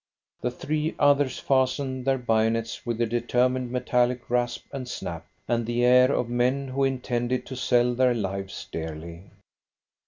The three others fastened their bayonets with a determined metallic rasp and snap, and the air of men who intended to sell their lives dearly.